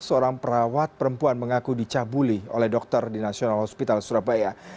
seorang perawat perempuan mengaku dicabuli oleh dokter di nasional hospital surabaya